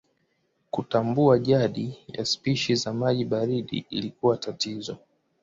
Kutambua jadi ya spishi za maji baridi ilikuwa tatizo.